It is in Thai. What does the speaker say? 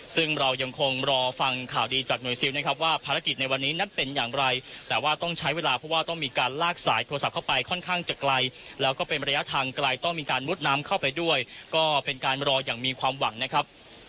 ซึ่งเรายังคงรอฟังข่าวดีจากหน่วยซิลนะครับว่าภารกิจในวันนี้นั้นเป็นอย่างไรแต่ว่าต้องใช้เวลาเพราะว่าต้องมีการลากสายโทรศัพท์เข้าไปค่อนข้างจะไกลแล้วก็เป็นระยะทางไกลต้องมีการมุดน้ำเข้าไปด้วยก็เป็นการรออย่างมีความหวังนะครับ